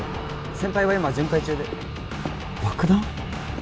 先輩は今巡回中で爆弾？